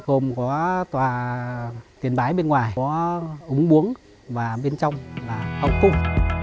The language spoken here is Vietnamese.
gồm có tòa tiền bái bên ngoài có ống buống và bên trong là hồng cung